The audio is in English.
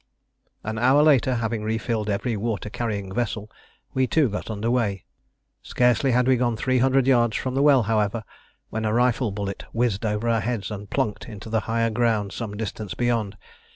An hour later, having refilled every water carrying vessel, we too got under way. Scarcely had we gone three hundred yards from the well, however, when a rifle bullet whizzed over our heads and plunked into the higher ground some distance beyond.